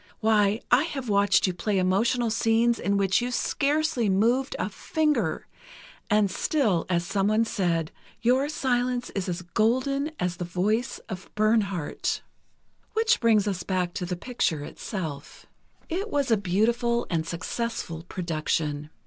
Why, I have watched you play emotional scenes in which you scarcely moved a finger, and still, as someone said: "Your silence is as golden as the voice of Bernhardt." Which brings us back to the picture itself. It was a beautiful and successful production.